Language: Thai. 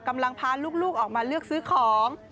กำลังพาลูกออกมาเลือกซื้อของ